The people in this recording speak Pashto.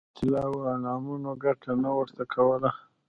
طلاوو او انعامونو ګټه نه ورته کوله.